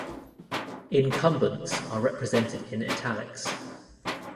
Incumbents are represented in "italics".